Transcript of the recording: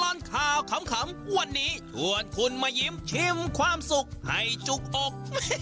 ตลอดข่าวขำวันนี้ชวนคุณมายิ้มชิมความสุขให้จุกอก